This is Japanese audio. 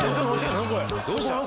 これどうしたの？